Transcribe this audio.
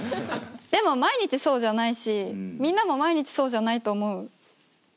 でも毎日そうじゃないしみんなも毎日そうじゃないと思うから。